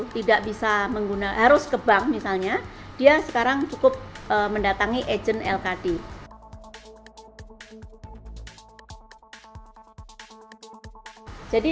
tidak bisa menggunakan arus ke bank misalnya dia sekarang cukup mendatangi agent lkd jadi